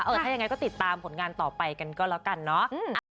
ถ้ายังไงก็ติดตามผลงานต่อไปกันก็แล้วกันเนาะ